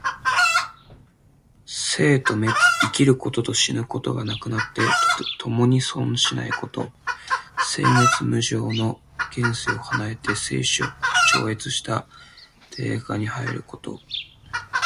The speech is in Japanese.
生と滅、生きることと死ぬことがなくなって、ともに存しないこと。生滅無常の現世を離れて生死を超越した涅槃に入ること。